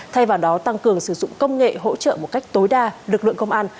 thay vào đó tăng cường sử dụng công nghệ hỗ trợ một cách tối đa lực lượng công an